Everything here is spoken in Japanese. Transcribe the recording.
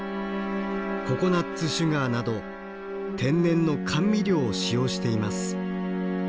ココナツシュガーなど天然の甘味料を使用しています。